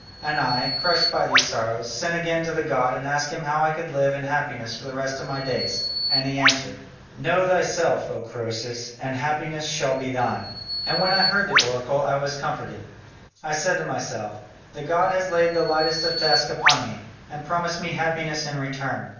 And I, crushed by these sorrows, sent again to the god and asked him how I could live in happiness for the rest of my days, and he answered: "'Know thyself, O Croesus, and happiness shall be thine.' "And when I heard the oracle, I was comforted. I said to myself, the god has laid the lightest of tasks upon me, and promised me happiness in return.